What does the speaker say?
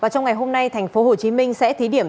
trong ngày hôm nay tp hcm sẽ thí điểm